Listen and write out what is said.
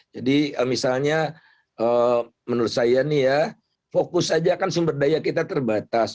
jadi misalnya menurut saya nih ya fokus saja kan sumber daya kita terbatas